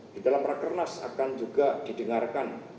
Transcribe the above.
di dalam rakernas akan juga didengarkan